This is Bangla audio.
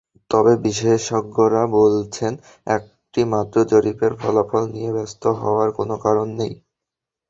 তবে বিশেষজ্ঞরা বলছেন, একটি মাত্র জরিপের ফলাফল নিয়ে ব্যস্ত হওয়ার কোনো কারণ নেই।